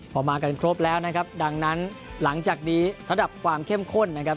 พอมากันครบแล้วนะครับดังนั้นหลังจากนี้ระดับความเข้มข้นนะครับ